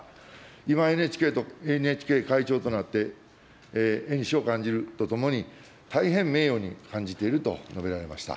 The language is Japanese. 今、ＮＨＫ会長となって、えにしを感じるとともに、大変名誉に感じていると述べられました。